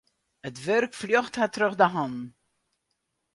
It wurk fljocht har troch de hannen.